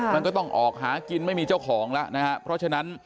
มันก็ต้องออกหากินไม่มีเจ้าของแล้วนะฮะเพราะฉะนั้น